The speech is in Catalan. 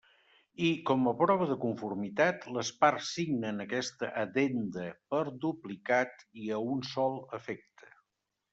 I, com a prova de conformitat, les parts signen aquesta Addenda per duplicat i a un sol efecte.